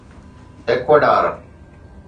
Ecuador